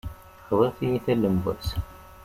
Xḍiɣ tiyita n lemwas.